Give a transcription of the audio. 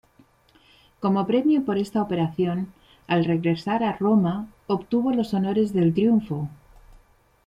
Como premio por esta operación, al regresar a Roma obtuvo los honores del triunfo.